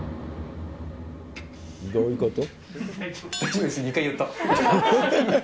どういうこと？